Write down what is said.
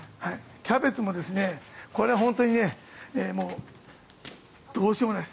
キャベツもこれ、本当にどうしようもないです。